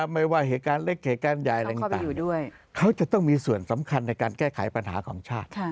ไม่ว่าเหตุการณ์เล็กเหตุการณ์ใหญ่อะไรต่างเขาจะต้องมีส่วนสำคัญในการแก้ไขปัญหาของชาติ